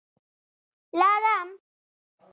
لړم